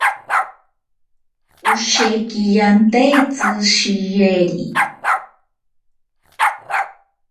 Osheki yantaeaitzi tsiyeri.